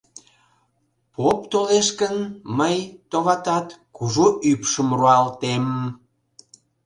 Поп толеш гын, мый, товатат, кужу ӱпшым руалтем!..